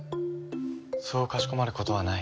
そうかしこまることはない。